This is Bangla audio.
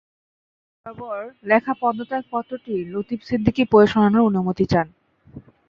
স্পিকার বরাবর লেখা পদত্যাগ পত্রটি লতিফ সিদ্দিকী পড়ে শোনানোর অনুমতি চান।